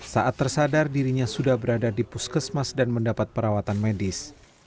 saat tersadar dirinya sudah berada di puskesmas dan mendapat perawatan medis